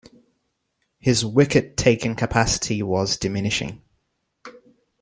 His wicket-taking capacity was diminishing.